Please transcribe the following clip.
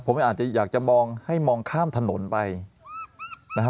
ผมอาจจะอยากจะมองให้มองข้ามถนนไปนะครับ